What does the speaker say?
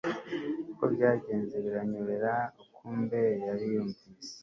uko byagenze biranyobera kumbe yari yumvise